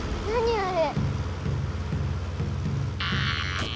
あれ。